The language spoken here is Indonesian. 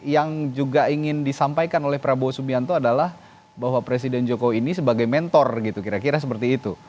yang juga ingin disampaikan oleh prabowo subianto adalah bahwa presiden jokowi ini sebagai mentor gitu kira kira seperti itu